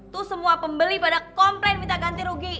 tuh semua pembeli pada komplain minta ganti rugi